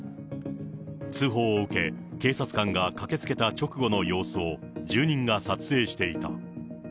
通報を受け、警察官が駆けつけた直後の様子を、住人が撮影していた。